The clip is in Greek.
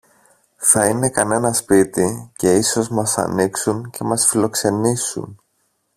Θα είναι κανένα σπίτι, και ίσως μας ανοίξουν και μας φιλοξενήσουν.